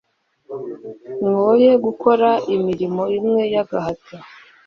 mwoye gukora imilimo imwe y'agahato